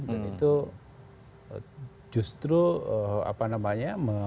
dan itu justru apa namanya